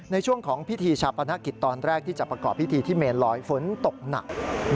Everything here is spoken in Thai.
ในช่วงของพิธีชาปนกิจตอนแรกที่จะประกอบพิธีที่เมนลอยฝนตกหนัก